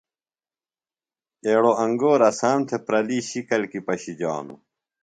ایڑوۡ انگور اسام تھےۡ پرلی شِکل کیۡ پشِجانوۡ۔